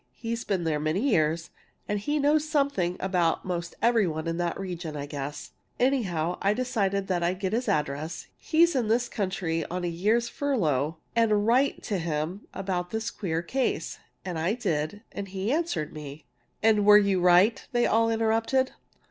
He's been there many years, and knows something about most every one in the region, I guess. Anyhow, I decided that I'd get his address (he's in this country on a year's furlough) and write to him about this queer case. And I did. And he has answered me " "And were you right?" they all interrupted.